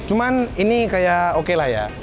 cuman ini kayak oke lah ya